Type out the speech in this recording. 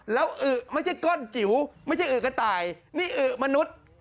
แล้วอึไม่ใช่ก้อนจิ๋วไม่ใช่อือกระต่ายนี่อึมนุษย์